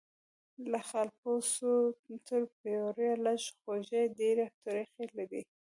له خالپوڅو تر پیریه لږ خوږې ډیري ترخې دي